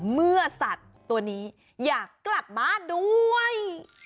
เมื่อสัตว์ตัวนี้อยากกลับบ้านด้วย